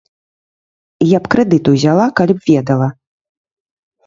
Я б крэдыт узяла, калі б ведала.